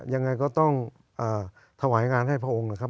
ยังไงก็ต้องถวายงานให้พระองค์นะครับ